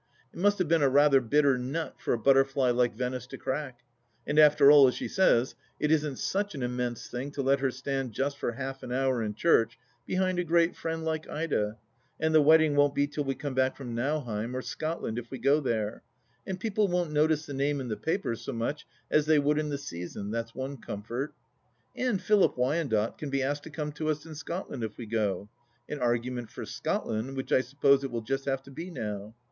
It must have been a rather bitter nut for a butterfly like Venice to crack. And after all, as she says, it isn't such an immense thing to let her stand just for half an hour in church behind a great friend like Ida, and the wedding won't be till we all come back from Nauheim or Scotland, if we go there, and people won't notice the name in the papers so much as they would in the season, that's one comfort. And Philip Wyandotte can be asked to come to us in Scot land if we go. An argument for Scotland, which I suppose it will just have to be now.